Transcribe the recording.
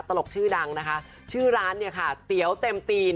ตลกชื่อดังนะคะชื่อร้านเนี่ยค่ะเตี๋ยวเต็มตีน